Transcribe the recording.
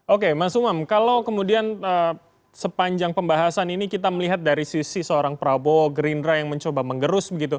oke mas umam kalau kemudian sepanjang pembahasan ini kita melihat dari sisi seorang prabowo gerindra yang mencoba mengerus begitu